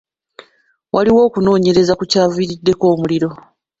Waliwo okunoonyereza ku kyaviiriddeko omuliro.